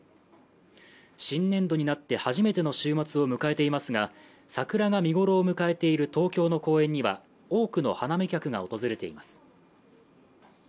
新年度になって初めての週末を迎えていますが桜が見頃を迎えている東京の公園には多くの花見客が訪れています。